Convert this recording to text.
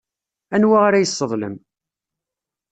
Anwa ara yesseḍlem?